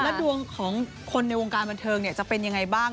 แล้วดวงของคนในวงการบันเทิงจะเป็นยังไงบ้าง